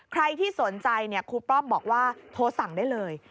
ใครที่สนใจครูป้อมบอกว่าโทรสั่งได้เลย